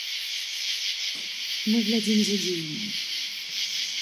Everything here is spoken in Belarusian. Мы глядзім за дзеяннямі.